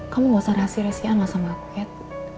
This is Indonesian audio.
kamu nggak usah resi resian nggak sama aku kat